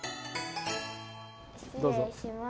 失礼します。